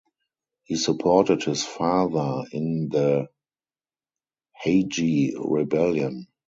He supported his father in the Heiji Rebellion.